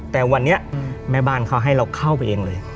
แต่วันนี้แม่บ้านเขาให้เราเข้าไปเองเลย